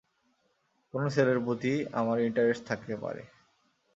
কোনো ছেলের প্রতি আমার ইন্টারেস্ট থাকতে পারে।